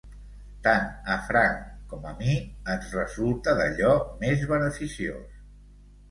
Tant a Frank com a mi ens resulta d'allò més beneficiós.